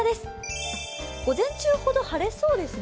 午前中ほど晴れそうですね。